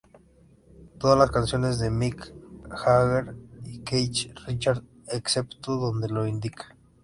Todas las canciones de Mick Jagger y Keith Richards, excepto donde lo indica.